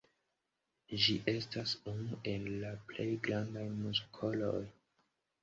Ĝi estas unu el la plej grandaj muskoloj.